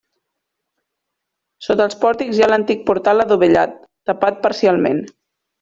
Sota els pòrtics hi ha l'antic portal adovellat, tapat parcialment.